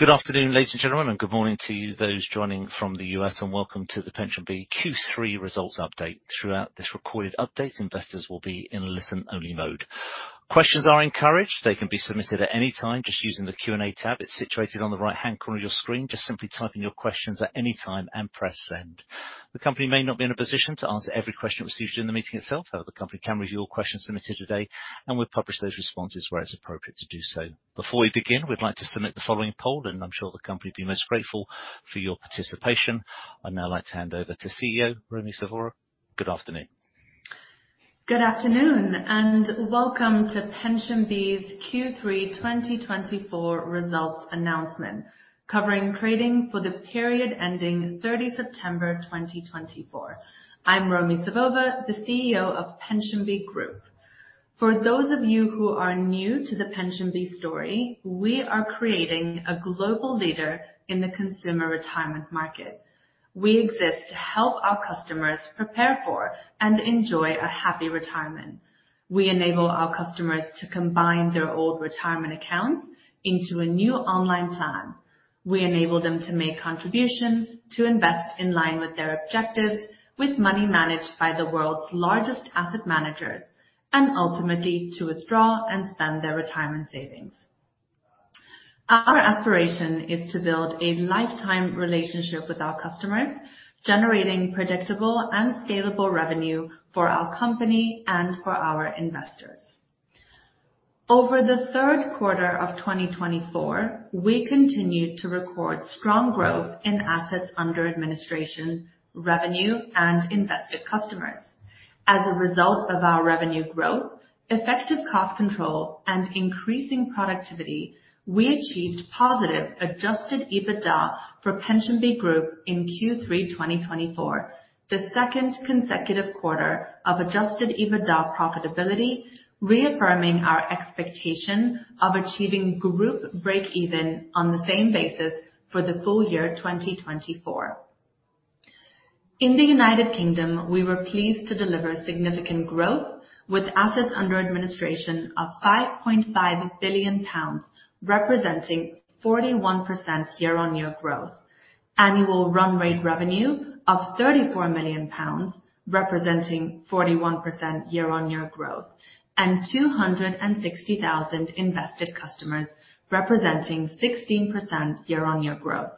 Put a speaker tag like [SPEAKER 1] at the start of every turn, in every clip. [SPEAKER 1] Good afternoon, ladies and gentlemen, and good morning to you, those joining from the U.S., and welcome to the PensionBee Q3 results update. Throughout this recorded update, investors will be in listen-only mode. Questions are encouraged. They can be submitted at any time just using the Q&A tab. It's situated on the right-hand corner of your screen. Just simply type in your questions at any time and press Send. The company may not be in a position to answer every question received during the meeting itself, however, the company can review all questions submitted today, and we'll publish those responses where it's appropriate to do so. Before we begin, we'd like to submit the following poll, and I'm sure the company will be most grateful for your participation. I'd now like to hand over to CEO Romi Savova. Good afternoon.
[SPEAKER 2] Good afternoon, and welcome to PensionBee's Q3 2024 results announcement, covering trading for the period ending 30 September 2024. I'm Romi Savova, the CEO of PensionBee Group. For those of you who are new to the PensionBee story, we are creating a global leader in the consumer retirement market. We exist to help our customers prepare for and enjoy a happy retirement. We enable our customers to combine their old retirement accounts into a new online plan. We enable them to make contributions, to invest in line with their objectives, with money managed by the world's largest asset managers, and ultimately, to withdraw and spend their retirement savings. Our aspiration is to build a lifetime relationship with our customers, generating predictable and scalable revenue for our company and for our investors. Over the third quarter of 2024, we continued to record strong growth in assets under administration, revenue, and invested customers. As a result of our revenue growth, effective cost control, and increasing productivity, we achieved positive adjusted EBITDA for PensionBee Group in Q3 2024. The second consecutive quarter of adjusted EBITDA profitability, reaffirming our expectation of achieving group breakeven on the same basis for the full year 2024. In the United Kingdom, we were pleased to deliver significant growth with assets under administration of 5.5 billion pounds, representing 41% year-on-year growth. Annual run rate revenue of 34 million pounds, representing 41% year-on-year growth, and 260,000 invested customers, representing 16% year-on-year growth.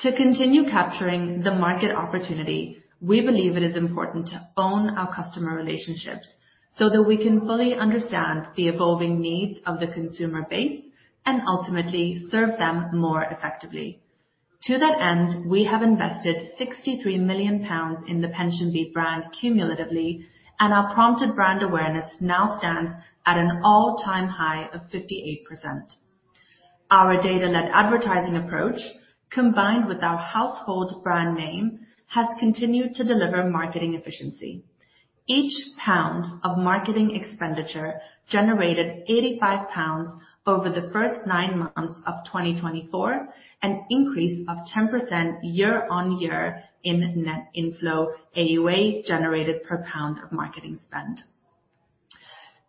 [SPEAKER 2] To continue capturing the market opportunity, we believe it is important to own our customer relationships so that we can fully understand the evolving needs of the consumer base and ultimately serve them more effectively. To that end, we have invested 63 million pounds in the PensionBee brand cumulatively, and our prompted brand awareness now stands at an all-time high of 58%. Our data-led advertising approach, combined with our household brand name, has continued to deliver marketing efficiency. Each GBP 1 of marketing expenditure generated 85 pounds over the first nine months of 2024, an increase of 10% year-on-year in net inflow AUA, generated per GBP 1 of marketing spend.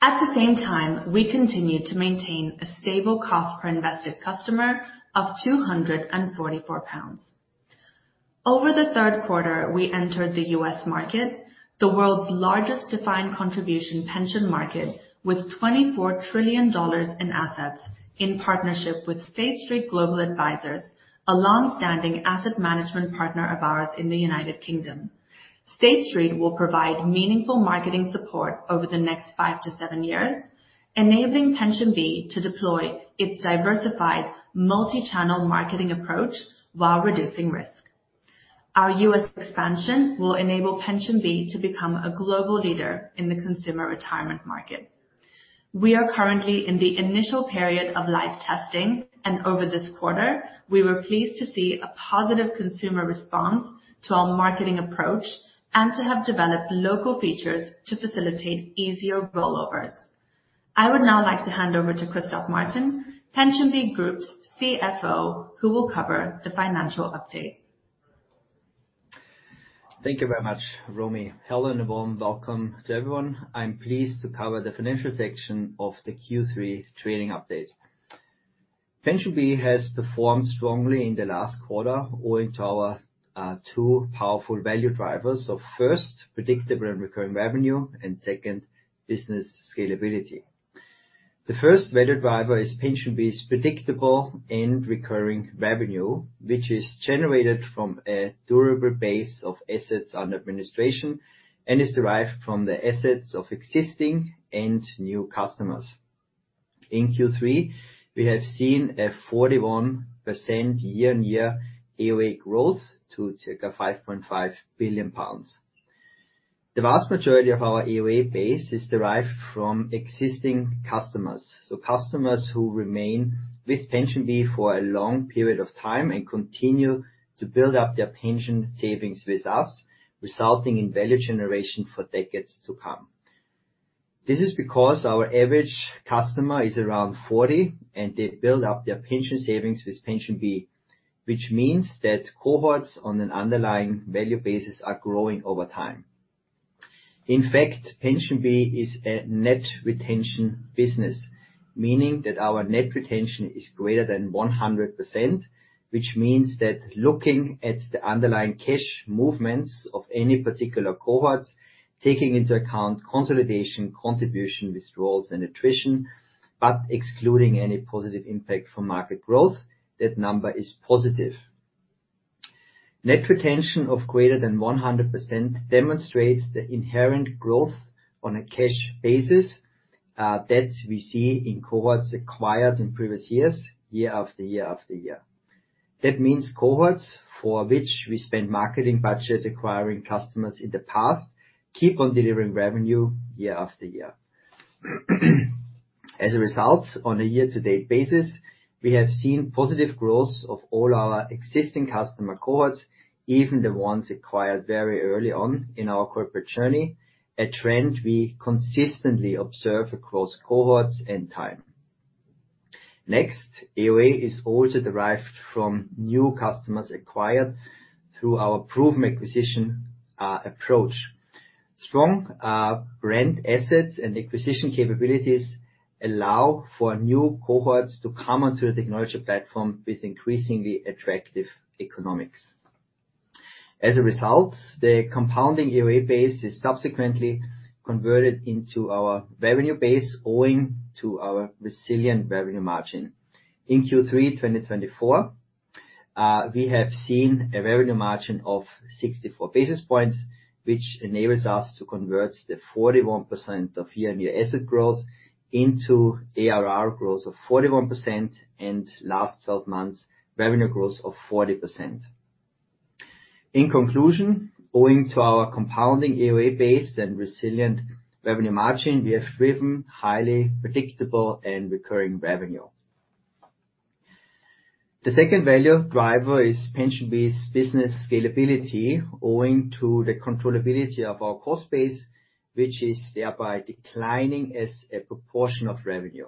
[SPEAKER 2] At the same time, we continued to maintain a stable cost per invested customer of 244 pounds. Over the third quarter, we entered the U.S. market, the world's largest defined contribution pension market, with $24 trillion in assets in partnership with State Street Global Advisors, a long-standing asset management partner of ours in the United Kingdom. State Street will provide meaningful marketing support over the next five-to-seven years, enabling PensionBee to deploy its diversified multi-channel marketing approach while reducing risk. Our U.S. expansion will enable PensionBee to become a global leader in the consumer retirement market. We are currently in the initial period of live testing, and over this quarter, we were pleased to see a positive consumer response to our marketing approach and to have developed local features to facilitate easier rollovers. I would now like to hand over to Christoph Martin, PensionBee Group's CFO, who will cover the financial update.
[SPEAKER 3] Thank you very much, Romi. Hello, and a warm welcome to everyone. I'm pleased to cover the financial section of the Q3 trading update. PensionBee has performed strongly in the last quarter, owing to our two powerful value drivers. So first, predictable and recurring revenue, and second, business scalability. The first value driver is PensionBee's predictable and recurring revenue, which is generated from a durable base of assets under administration and is derived from the assets of existing and new customers. In Q3, we have seen a 41% year-on-year AUA growth to take it to 5.5 billion pounds. The vast majority of our AUA base is derived from existing customers. So customers who remain with PensionBee for a long period of time and continue to build up their pension savings with us, resulting in value generation for decades to come. This is because our average customer is around 40, and they build up their pension savings with PensionBee, which means that cohorts on an underlying value basis are growing over time. In fact, PensionBee is a net retention business, meaning that our net retention is greater than 100%, which means that looking at the underlying cash movements of any particular cohorts, taking into account consolidation, contribution, withdrawals, and attrition, but excluding any positive impact from market growth, that number is positive. Net retention of greater than 100% demonstrates the inherent growth on a cash basis that we see in cohorts acquired in previous years, year after year after year. That means cohorts for which we spend marketing budgets acquiring customers in the past, keep on delivering revenue year after year. As a result, on a year-to-date basis, we have seen positive growth of all our existing customer cohorts, even the ones acquired very early on in our corporate journey, a trend we consistently observe across cohorts and time. Next, AUA is also derived from new customers acquired through our proven acquisition approach. Strong, brand assets and acquisition capabilities allow for new cohorts to come onto the technology platform with increasingly attractive economics. As a result, the compounding AUA base is subsequently converted into our revenue base, owing to our resilient revenue margin. In Q3 2024, we have seen a revenue margin of 64 basis points, which enables us to convert the 41% of year-on-year asset growth into ARR growth of 41%, and last twelve months, revenue growth of 40%. In conclusion, owing to our compounding AUA base and resilient revenue margin, we have driven highly predictable and recurring revenue. The second value driver is PensionBee's business scalability, owing to the controllability of our cost base, which is thereby declining as a proportion of revenue.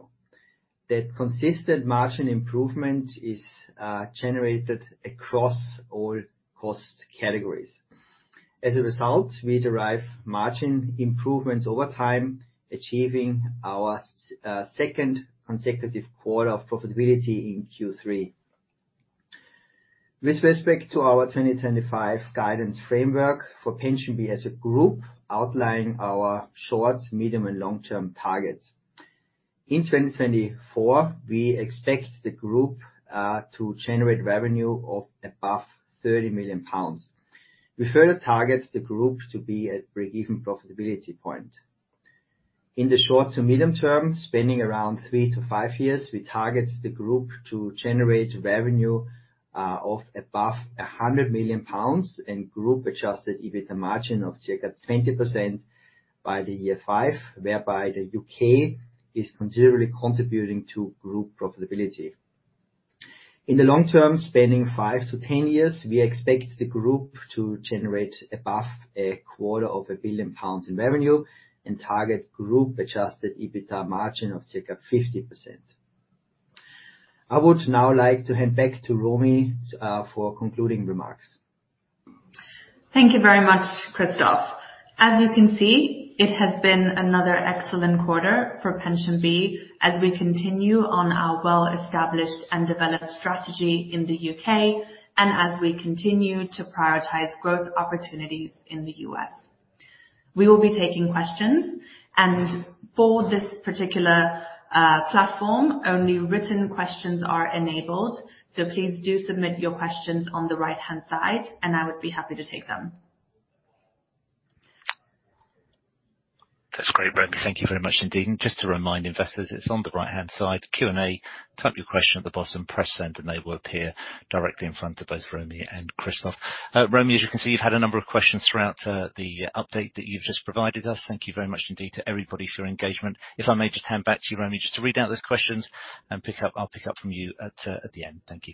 [SPEAKER 3] That consistent margin improvement is generated across all cost categories. As a result, we derive margin improvements over time, achieving our second consecutive quarter of profitability in Q3. With respect to our 2025 guidance framework for PensionBee as a group, outlining our short, medium, and long-term targets. In 2024, we expect the group to generate revenue of above 30 million pounds. We further target the group to be at breakeven profitability point. In the short to medium term, spanning around three-to-five years, we target the group to generate revenue of above 100 million pounds, and Group Adjusted EBITDA margin of circa 20% by year five, whereby the United Kingdom is considerably contributing to group profitability. In the long term, spanning five to ten years, we expect the group to generate above 250 million pounds in revenue, and target Group Adjusted EBITDA margin of circa 50%. I would now like to hand back to Romi for concluding remarks.
[SPEAKER 2] Thank you very much, Christoph. As you can see, it has been another excellent quarter for PensionBee, as we continue on our well-established and developed strategy in the U.K., and as we continue to prioritize growth opportunities in the U.S. We will be taking questions, and for this particular platform, only written questions are enabled, so please do submit your questions on the right-hand side, and I would be happy to take them.
[SPEAKER 1] That's great, Romi. Thank you very much indeed. And just to remind investors, it's on the right-hand side, Q&A. Type your question at the bottom, press Send, and they will appear directly in front of both Romi and Christoph. Romi, as you can see, you've had a number of questions throughout, the update that you've just provided us. Thank you very much indeed to everybody for your engagement. If I may just hand back to you, Romi, just to read out those questions, and pick up. I'll pick up from you at the end. Thank you.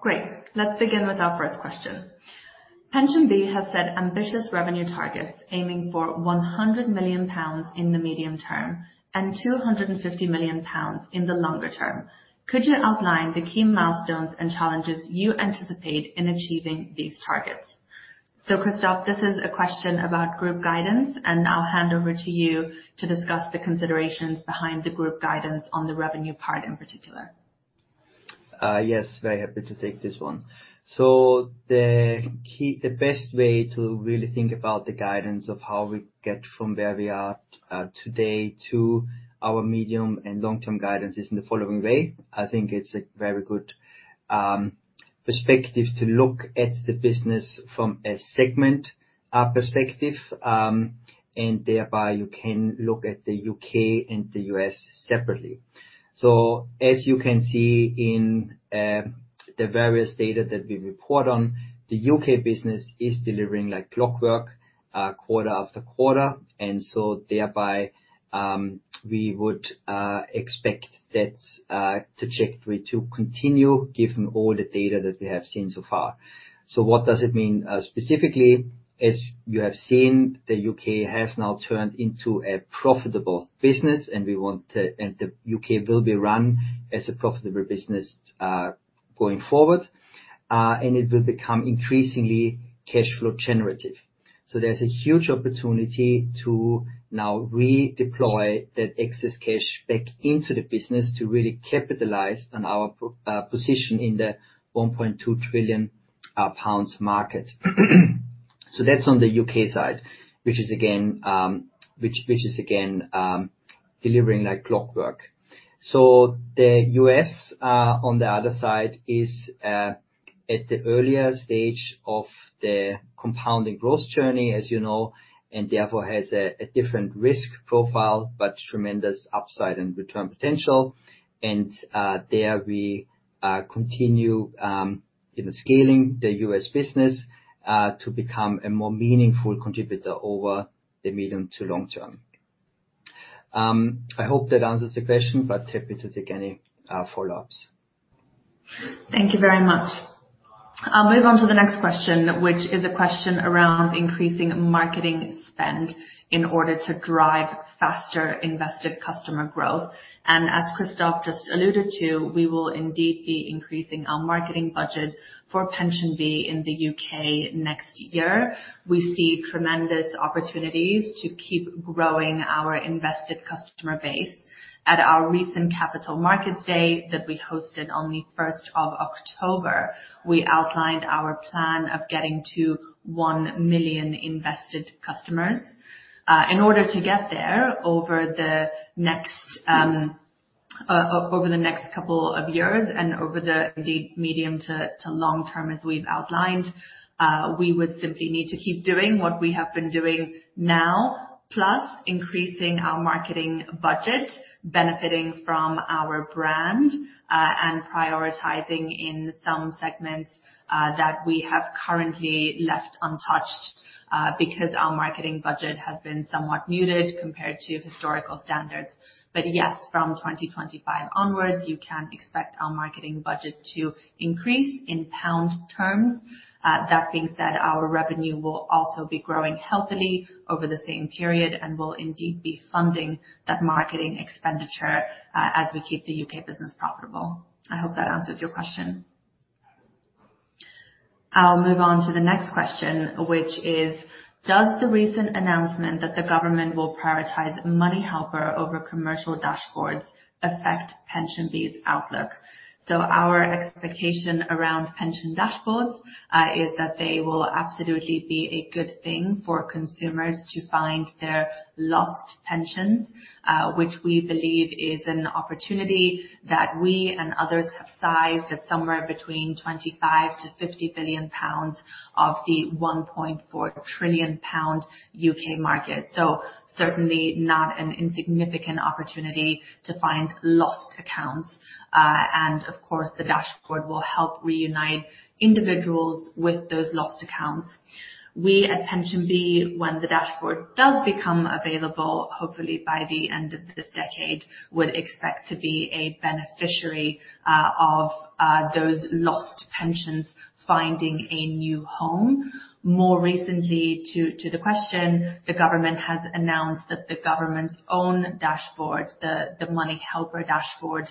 [SPEAKER 2] Great. Let's begin with our first question. PensionBee has set ambitious revenue targets, aiming for 100 million pounds in the medium term, and 250 million pounds in the longer term. Could you outline the key milestones and challenges you anticipate in achieving these targets? So, Christoph, this is a question about group guidance, and I'll hand over to you to discuss the considerations behind the group guidance on the revenue part, in particular.
[SPEAKER 3] Yes, very happy to take this one. So the key... The best way to really think about the guidance of how we get from where we are, today to our medium and long-term guidance is in the following way. I think it's a very good perspective to look at the business from a segment perspective, and thereby you can look at the U.K. and the U.S. separately. So as you can see in the various data that we report on, the U.K. business is delivering like clockwork, quarter after quarter, and so thereby we would expect that trajectory to continue given all the data that we have seen so far. So what does it mean, specifically? As you have seen, the U.K. has now turned into a profitable business, and the U.K. will be run as a profitable business, going forward. And it will become increasingly cash flow generative. So there's a huge opportunity to now redeploy that excess cash back into the business to really capitalize on our position in the 1.2 trillion pounds market. So that's on the U.K. side, which is again delivering like clockwork. So the U.S., on the other side, is at the earlier stage of the compounding growth journey, as you know, and therefore has a different risk profile, but tremendous upside and return potential. There we continue in the scaling the U.S. business to become a more meaningful contributor over the medium to long term. I hope that answers the question, but happy to take any follow-ups.
[SPEAKER 2] Thank you very much. I'll move on to the next question, which is a question around increasing marketing spend in order to drive faster invested customer growth. As Christoph just alluded to, we will indeed be increasing our marketing budget for PensionBee in the U.K. next year. We see tremendous opportunities to keep growing our invested customer base. At our recent Capital Markets Day that we hosted on the 1st of October, we outlined our plan of getting to one million invested customers. In order to get there over the next couple of years and over the medium to long term, as we've outlined, we would simply need to keep doing what we have been doing now, plus increasing our marketing budget, benefiting from our brand, and prioritizing in some segments that we have currently left untouched, because our marketing budget has been somewhat muted compared to historical standards. But yes, from 2025 onwards, you can expect our marketing budget to increase in pound terms. That being said, our revenue will also be growing healthily over the same period and will indeed be funding that marketing expenditure, as we keep the U.K. business profitable. I hope that answers your question. I'll move on to the next question, which is: Does the recent announcement that the government will prioritize MoneyHelper over commercial dashboards affect PensionBee's outlook? Our expectation around pension dashboards is that they will absolutely be a good thing for consumers to find their lost pensions, which we believe is an opportunity that we and others have sized at somewhere between 25 billion to 50 billion pounds of the 1.4 trillion pound U.K. market. Certainly not an insignificant opportunity to find lost accounts, and of course, the dashboard will help reunite individuals with those lost accounts. We at PensionBee, when the dashboard does become available, hopefully by the end of this decade, would expect to be a beneficiary of those lost pensions finding a new home. More recently, to the question, the government has announced that the government's own dashboard, the MoneyHelper dashboard,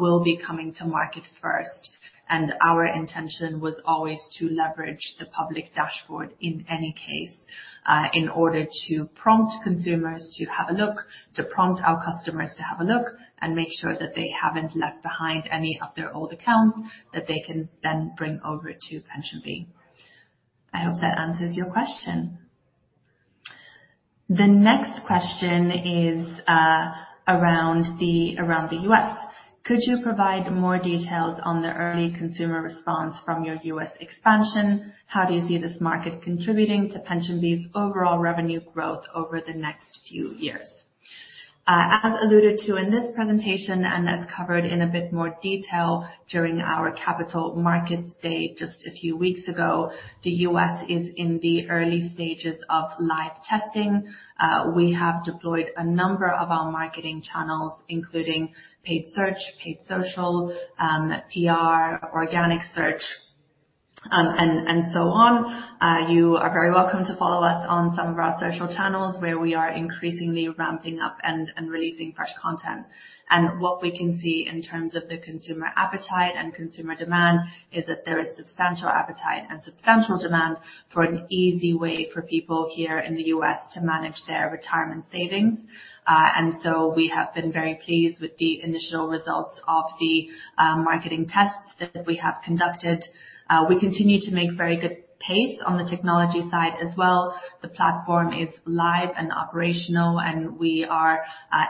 [SPEAKER 2] will be coming to market first, and our intention was always to leverage the public dashboard in any case, in order to prompt consumers to have a look, to prompt our customers to have a look, and make sure that they haven't left behind any of their old accounts that they can then bring over to PensionBee. I hope that answers your question. The next question is around the U.S. Could you provide more details on the early consumer response from your U.S. expansion? How do you see this market contributing to PensionBee's overall revenue growth over the next few years? As alluded to in this presentation, and as covered in a bit more detail during our Capital Markets Day just a few weeks ago, the U.S. is in the early stages of live testing. We have deployed a number of our marketing channels, including paid search, paid social, PR, organic search, and so on. You are very welcome to follow us on some of our social channels, where we are increasingly ramping up and releasing fresh content. What we can see in terms of the consumer appetite and consumer demand is that there is substantial appetite and substantial demand for an easy way for people here in the U.S. to manage their retirement savings. And so we have been very pleased with the initial results of the marketing tests that we have conducted. We continue to make very good pace on the technology side as well. The platform is live and operational, and we are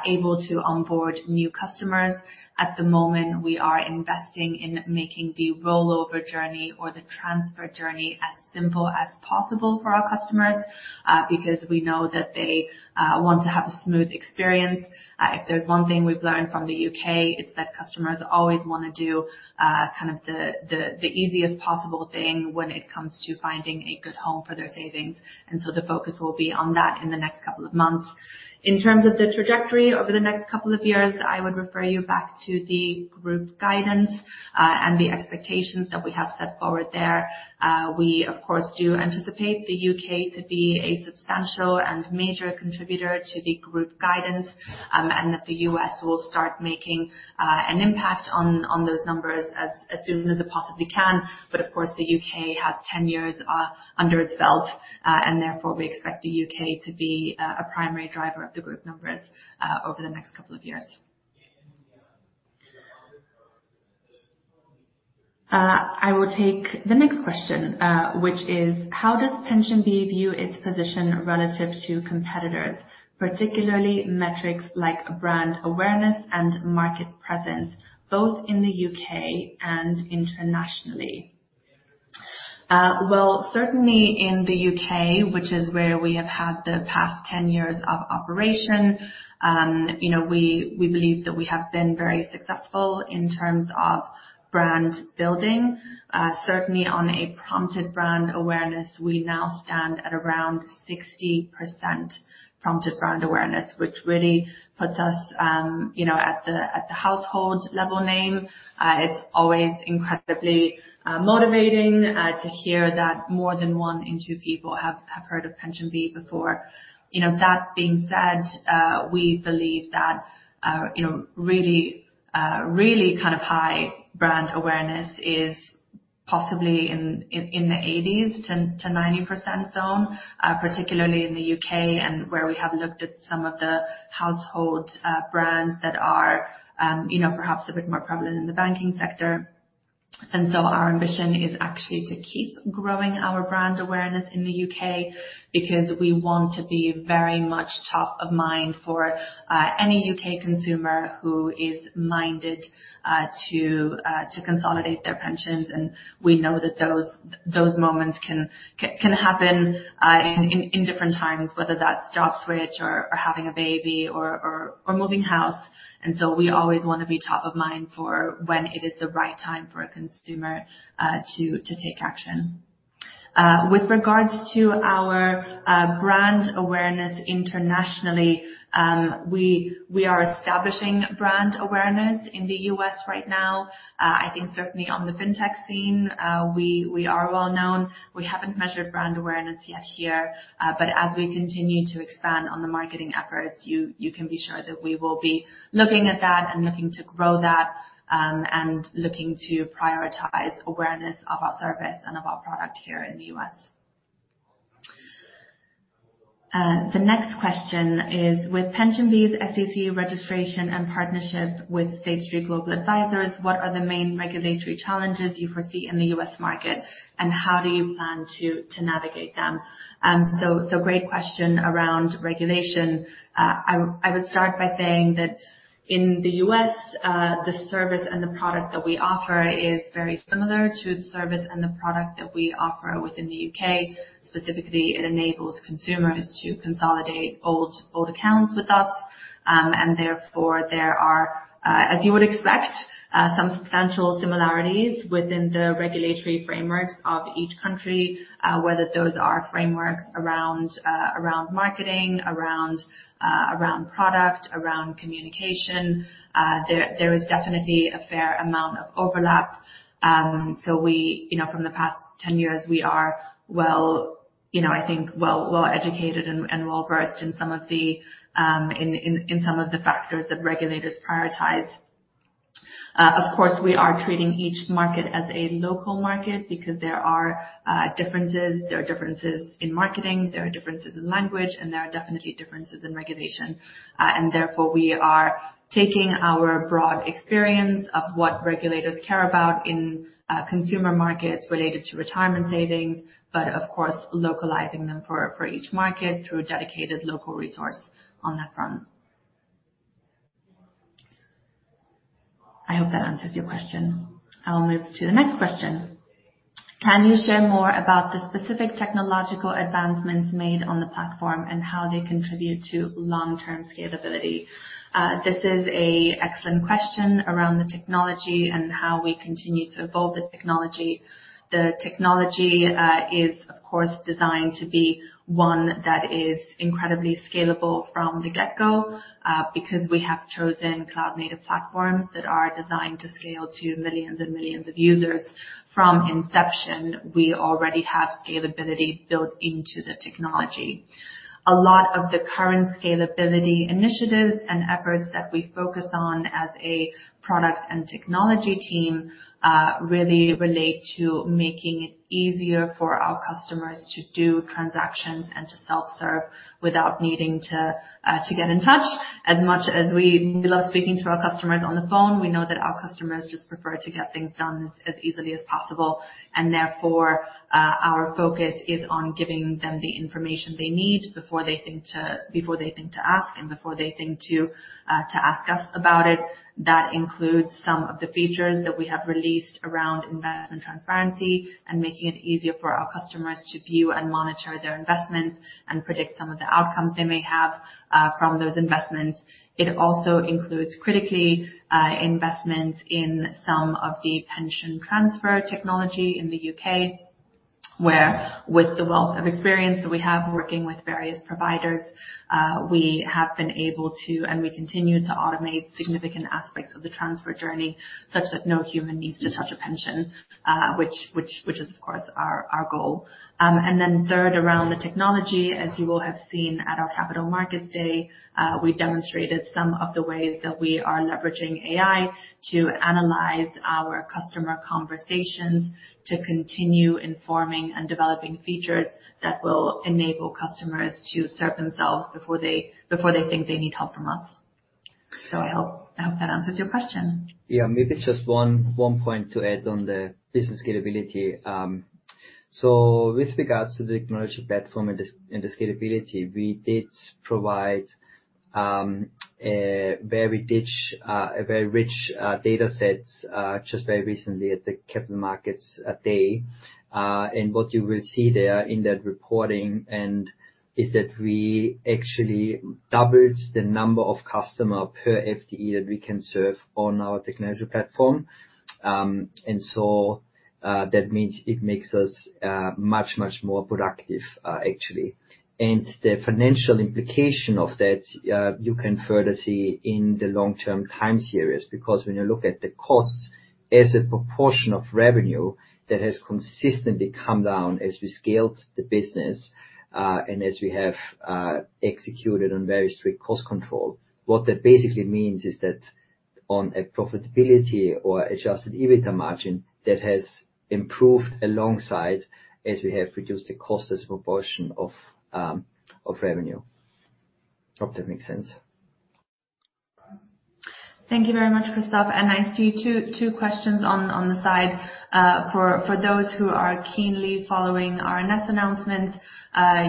[SPEAKER 2] able to onboard new customers. At the moment, we are investing in making the rollover journey or the transfer journey as simple as possible for our customers, because we know that they want to have a smooth experience. If there's one thing we've learned from the U.K., it's that customers always wanna do kind of the easiest possible thing when it comes to finding a good home for their savings, and so the focus will be on that in the next couple of months. In terms of the trajectory over the next couple of years, I would refer you back to the group guidance, and the expectations that we have set forward there. We, of course, do anticipate the U.K. to be a substantial and major contributor to the group guidance, and that the U.S. will start making an impact on those numbers as soon as it possibly can. But of course, the U.K. has 10 years under its belt, and therefore we expect the U.K. to be a primary driver of the group numbers over the next couple of years.... I will take the next question, which is: How does PensionBee view its position relative to competitors, particularly metrics like brand awareness and market presence, both in the U.K. and internationally? Well, certainly in the U.K., which is where we have had the past 10 years of operation, you know, we believe that we have been very successful in terms of brand building. Certainly on a prompted brand awareness, we now stand at around 60% prompted brand awareness, which really puts us, you know, at the household level name. It's always incredibly motivating to hear that more than one in two people have heard of PensionBee before. You know, that being said, we believe that, you know, really, really kind of high brand awareness is possibly in the 80%-90% zone, particularly in the U.K. and where we have looked at some of the household brands that are, you know, perhaps a bit more prevalent in the banking sector. And so our ambition is actually to keep growing our brand awareness in the U.K. because we want to be very much top of mind for any U.K. consumer who is minded to consolidate their pensions. And we know that those moments can happen in different times, whether that's job switch or having a baby or moving house. And so we always wanna be top of mind for when it is the right time for a consumer to take action. With regards to our brand awareness internationally, we are establishing brand awareness in the U.S. right now. I think certainly on the fintech scene, we are well known. We haven't measured brand awareness yet here, but as we continue to expand on the marketing efforts, you can be sure that we will be looking at that and looking to grow that, and looking to prioritize awareness of our service and of our product here in the U.S. The next question is: With PensionBee's SEC registration and partnership with State Street Global Advisors, what are the main regulatory challenges you foresee in the U.S. market, and how do you plan to navigate them? So great question around regulation. I would start by saying that in the U.S., the service and the product that we offer is very similar to the service and the product that we offer within the U.K. Specifically, it enables consumers to consolidate old accounts with us, and therefore there are, as you would expect, some substantial similarities within the regulatory frameworks of each country, whether those are frameworks around marketing, around product, around communication. There is definitely a fair amount of overlap. So we, you know, from the past 10 years, we are well, you know, I think, well educated and well versed in some of the, in some of the factors that regulators prioritize. Of course, we are treating each market as a local market because there are differences. There are differences in marketing, there are differences in language, and there are definitely differences in regulation. And therefore, we are taking our broad experience of what regulators care about in consumer markets related to retirement savings, but of course, localizing them for each market through a dedicated local resource on that front. I hope that answers your question. I will move to the next question: Can you share more about the specific technological advancements made on the platform and how they contribute to long-term scalability? This is a excellent question around the technology and how we continue to evolve the technology. The technology is, of course, designed to be one that is incredibly scalable from the get-go, because we have chosen cloud native platforms that are designed to scale to millions and millions of users. From inception, we already have scalability built into the technology. A lot of the current scalability initiatives and efforts that we focus on as a product and technology team really relate to making it easier for our customers to do transactions and to self-serve without needing to get in touch. As much as we love speaking to our customers on the phone, we know that our customers just prefer to get things done as easily as possible, and therefore our focus is on giving them the information they need before they think to ask. That includes some of the features that we have released around investment transparency and making it easier for our customers to view and monitor their investments and predict some of the outcomes they may have from those investments. It also includes, critically, investments in some of the pension transfer technology in the U.K., where with the wealth of experience that we have working with various providers, we have been able to, and we continue to automate significant aspects of the transfer journey such that no human needs to touch a pension, which is, of course, our goal. And then third, around the technology, as you will have seen at our Capital Markets Day, we demonstrated some of the ways that we are leveraging AI to analyze our customer conversations, to continue informing and developing features that will enable customers to serve themselves before they think they need help from us. So I hope that answers your question.
[SPEAKER 3] Yeah, maybe just one point to add on the business scalability. So with regards to the technology platform and the scalability, we did provide a very rich data sets just very recently at the Capital Markets Day. And what you will see there in that reporting is that we actually doubled the number of customer per FTE that we can serve on our technology platform. And so that means it makes us much more productive, actually. And the financial implication of that you can further see in the long-term time series, because when you look at the costs as a proportion of revenue, that has consistently come down as we scaled the business and as we have executed on very strict cost control. What that basically means is that on a profitability or Adjusted EBITDA margin, that has improved alongside as we have reduced the cost as proportion of revenue. Hope that makes sense.
[SPEAKER 2] Thank you very much, Christoph. And I see two questions on the side. For those who are keenly following our RNS announcements,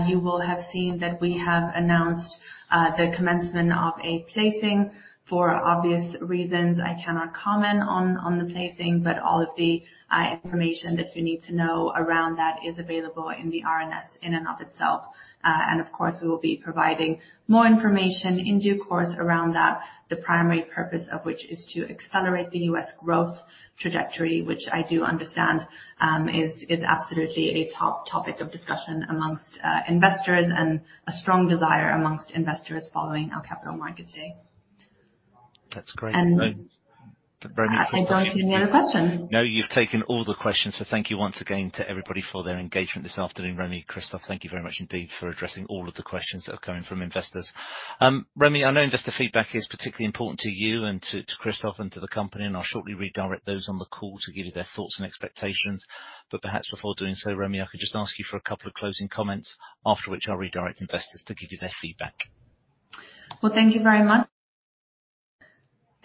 [SPEAKER 2] you will have seen that we have announced the commencement of a placing. For obvious reasons, I cannot comment on the placing, but all of the information that you need to know around that is available in the RNS, in and of itself. And of course, we will be providing more information in due course around that, the primary purpose of which is to accelerate the U.S. growth trajectory, which I do understand is absolutely a top topic of discussion amongst investors and a strong desire amongst investors following our Capital Markets Day.
[SPEAKER 1] That's great.
[SPEAKER 2] And-
[SPEAKER 1] Very helpful.
[SPEAKER 2] I don't see any other questions.
[SPEAKER 1] No, you've taken all the questions, so thank you once again to everybody for their engagement this afternoon. Romi, Christoph, thank you very much indeed for addressing all of the questions that have come in from investors. Romi, I know investor feedback is particularly important to you and to Christoph and to the company, and I'll shortly redirect those on the call to give you their thoughts and expectations. But perhaps before doing so, Romi, I could just ask you for a couple of closing comments, after which I'll redirect investors to give you their feedback.
[SPEAKER 2] Thank you very much.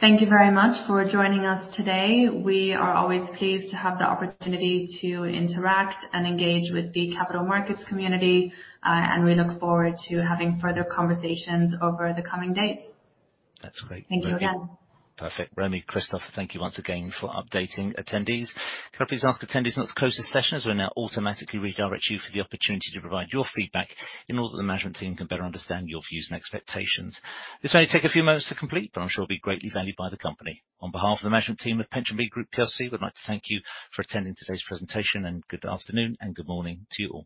[SPEAKER 2] Thank you very much for joining us today. We are always pleased to have the opportunity to interact and engage with the capital markets community, and we look forward to having further conversations over the coming days.
[SPEAKER 1] That's great.
[SPEAKER 2] Thank you again.
[SPEAKER 1] Perfect. Romi, Christoph, thank you once again for updating attendees. Can I please ask attendees not to close this session, as we'll now automatically redirect you for the opportunity to provide your feedback in order that the management team can better understand your views and expectations. This may only take a few moments to complete, but I'm sure it'll be greatly valued by the company. On behalf of the management team of PensionBee Group PLC, we'd like to thank you for attending today's presentation, and good afternoon and good morning to you all.